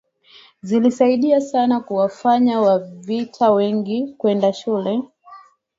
zilisaidia sana kuwafanya Wajita wengi kwenda shule